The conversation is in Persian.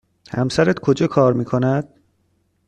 همسرت کجا کار می کند؟